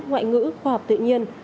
ngoại ngữ khoa học tự nhiên